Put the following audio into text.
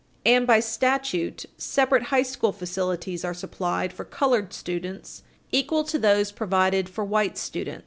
XI, § 3), and, by statute, separate high school facilities are supplied for colored students equal to those provided for white students (R.